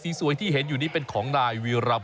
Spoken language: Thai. สีสวยตามภาพที่เห็นคุณผู้ชม